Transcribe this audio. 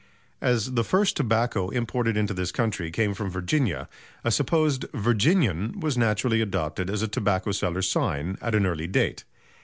As the first tobacco imported into this country came from Virginia, a supposed "Virginian" was naturally adopted as a tobacco seller's sign at an early date.